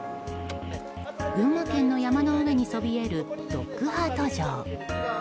群馬県の山の上にそびえるロックハート城。